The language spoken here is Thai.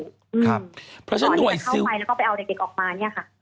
เพราะก่อนที่จะเข้าไปแล้วก็ไปเอาเด็กออกมาเนี่ยค่ะ